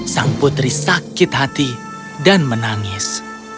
sang putri sakit hati dan menangis